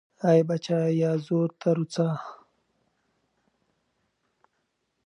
ای بچای، یازور ته روڅه